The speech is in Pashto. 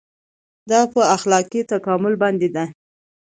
دا په اخلاقي تکامل باندې ده.